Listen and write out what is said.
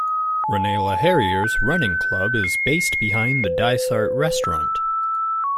Ranelagh Harriers running club is based behind the "Dysart" restaurant.